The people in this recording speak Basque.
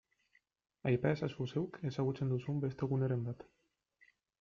Aipa ezazu zeuk ezagutzen duzun beste guneren bat.